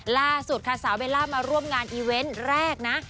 ล่าสุดค่ะสาวเบลล่ามาร่วมงานอีเวนต์แรกนะ